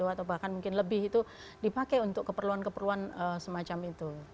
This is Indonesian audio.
atau bahkan mungkin lebih itu dipakai untuk keperluan keperluan semacam itu